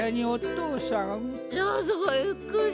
どうぞごゆっくり。